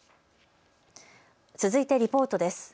続いてリポートです。